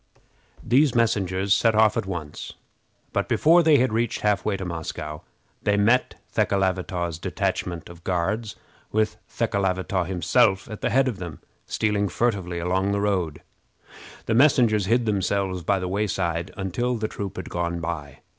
These messengers set off at once; but, before they had reached half way to Moscow, they met Thekelavitaw's detachment of Guards, with Thekelavitaw himself at the head of them, stealing furtively along the road. The messengers hid themselves by the wayside until the troop had gone by.